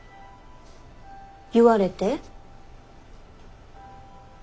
言われて？